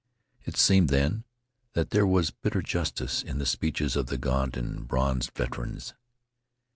It seemed, then, that there was bitter justice in the speeches of the gaunt and bronzed veterans.